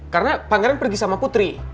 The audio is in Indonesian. karena pangeran pergi sama putri